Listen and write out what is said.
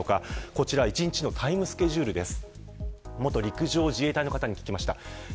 こちら、１日のタイムスケジュールです。